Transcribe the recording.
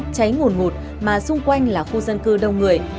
cháy ngồn ngụt mà xung quanh là khu dân cư đông người